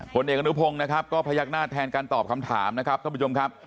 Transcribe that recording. ผลเอกอนุพงศ์นะครับก็พยักหน้าแทนการตอบคำถามนะครับท่านผู้ชมครับ